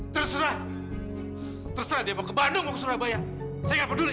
terus terat terserah dia mau ke bandung mau ke surabaya saya gak peduli